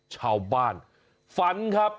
ชาวบ้านฝันครับ